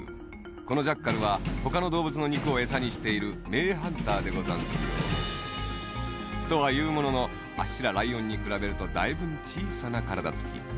このジャッカルはほかのどうぶつのにくをえさにしているめいハンターでござんすよ。とはいうもののあっしらライオンにくらべるとだいぶんちいさなからだつき。